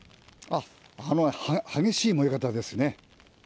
激しい燃え方ですね。